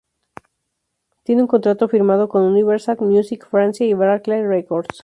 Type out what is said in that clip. Tiene un contrato firmado con Universal Music Francia y Barclay Records.